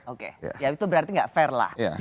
oke ya itu berarti nggak fair lah